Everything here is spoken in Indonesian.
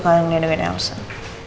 kalau dengan nelson